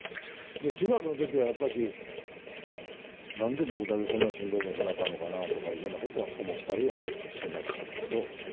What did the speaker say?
で中学の時はやっぱし「何で僕だけこんなしんどい思いせなあかんのかな」とかいうようなことは思ったりはしてましたけど。